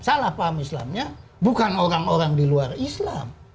salah paham islamnya bukan orang orang di luar islam